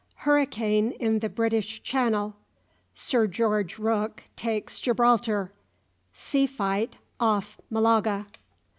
HURRICANE IN THE BRITISH CHANNEL SIR GEORGE ROOKE TAKES GIBRALTAR SEA FIGHT OFF MALAGA.